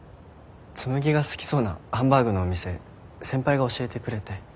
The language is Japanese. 紬が好きそうなハンバーグのお店先輩が教えてくれて。